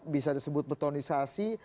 bisa disebut betonisasi